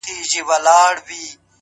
ستا د څوڼو ځنگلونه زمـا بــدن خـوري.!